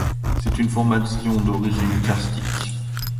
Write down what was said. C'est une formation d'origine karstique.